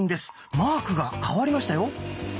マークが変わりましたよ。